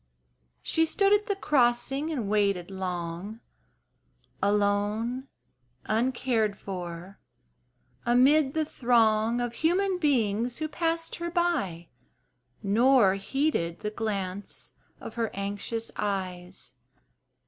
She stood at the crossing and waited long, Alone, uncared for, amid the throng Of human beings who passed her by Nor heeded the glance of her anxious eyes.